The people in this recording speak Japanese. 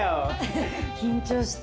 緊張した。